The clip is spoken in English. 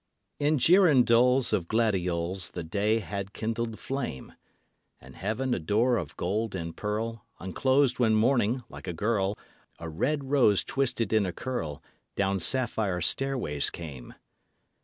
I. In girandoles of gladioles The day had kindled flame; And Heaven a door of gold and pearl Unclosed when Morning, like a girl, A red rose twisted in a curl, Down sapphire stairways came.